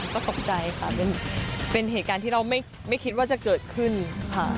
ก็ตกใจค่ะเป็นเหตุการณ์ที่เราไม่คิดว่าจะเกิดขึ้นค่ะ